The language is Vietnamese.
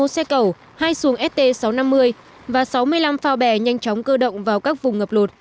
một xe cầu hai xuồng st sáu trăm năm mươi và sáu mươi năm phao bè nhanh chóng cơ động vào các vùng ngập lụt